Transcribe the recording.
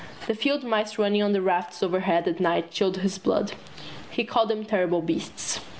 The field mice running on the rafters overhead at night chilled his blood. He called them terrible beasts.